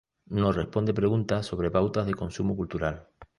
No responde preguntas sobre pautas de consumo cultural.